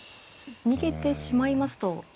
逃げてしまいますと。